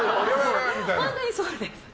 本当にそうです。